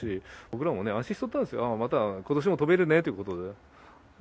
僕らもね、安心しとったんです、ああ、またことしも飛べるねっていうことで。